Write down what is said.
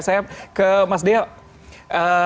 saya ke mas dale